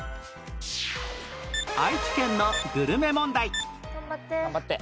愛知県のグルメ問題頑張って。